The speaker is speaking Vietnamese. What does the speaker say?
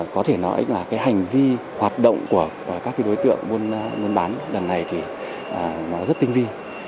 có thể nói là hành vi hoạt động của các đối tượng muôn bán đằng này rất tinh vi